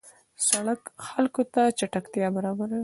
سړک خلکو ته چټکتیا برابروي.